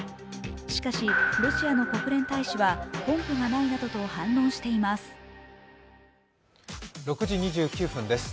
しかし、ロシアの国連大使は根拠がないなどと反論しています。